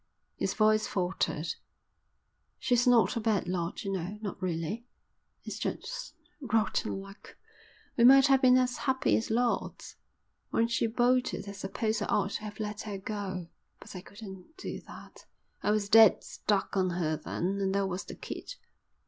His voice faltered. "She's not a bad lot, you know, not really. It's just rotten luck. We might have been as happy as lords. When she bolted I suppose I ought to have let her go, but I couldn't do that I was dead stuck on her then; and there was the kid."